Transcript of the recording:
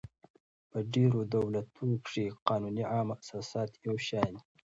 په ډېرو دولتو کښي قانوني عام اساسات یو شان يي.